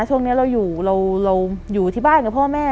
ช่วงนี้เราอยู่เราอยู่ที่บ้านกับพ่อแม่